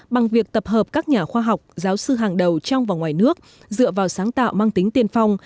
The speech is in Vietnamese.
bằng việc tập hợp các nhà khoa học giáo sư hàng đầu trong và ngoài nước dựa vào sáng tạo mang tính tiên phong